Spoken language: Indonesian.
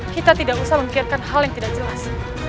kita tidak usah membiarkan hal yang tidak jelas